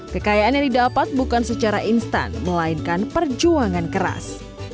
kekayaan yang didapat bukan secara instan melainkan perjuangan keras